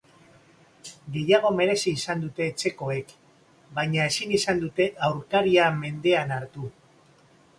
Gehiago merezi izan dute etxekoek, baina ezin izan dute aurkaria mendean hartu.